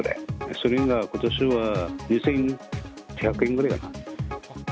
それがことしは２１００円ぐらいかな。